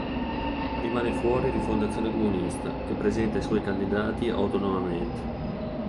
Rimane fuori Rifondazione Comunista, che presenta i suoi candidati autonomamente.